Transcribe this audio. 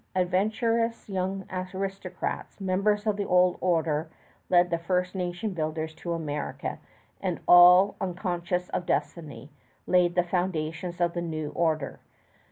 Adventurous young aristocrats, members of the Old Order, led the first nation builders to America, and, all unconscious of destiny, laid the foundations of the New Order.